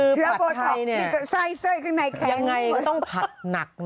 คือผัดไทยยังไงก็ต้องผัดหนัก